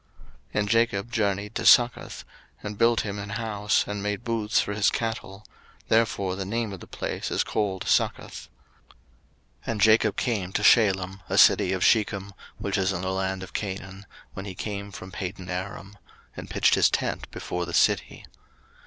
01:033:017 And Jacob journeyed to Succoth, and built him an house, and made booths for his cattle: therefore the name of the place is called Succoth. 01:033:018 And Jacob came to Shalem, a city of Shechem, which is in the land of Canaan, when he came from Padanaram; and pitched his tent before the city.